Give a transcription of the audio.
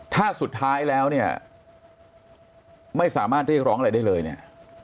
ถ้าสุดท้ายแล้วเนี่ยไม่สามารถเรียกร้องอะไรได้เลยเนี่ย